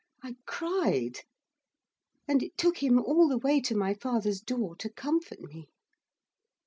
I cried. And it took him all the way to my father's door to comfort me.